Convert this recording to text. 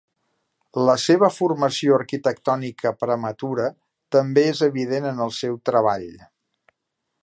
La seva formació arquitectònica prematura també és evident en el seu treball.